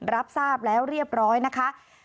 รับทราบแล้วเรียบร้อยนะคะ